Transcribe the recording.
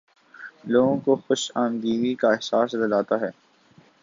لوگوں کو خوش آمدیدگی کا احساس دلاتا ہوں